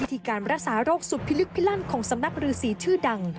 ที่การรักษาโรคสุดพิลึกพิลั่นของสำนักรือสีชื่อดัง